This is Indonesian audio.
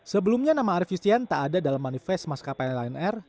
sebelumnya nama arief yustian tak ada dalam manifest maskapai lion air